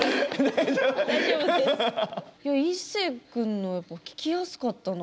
いやいっせい君のやっぱ聞きやすかったな。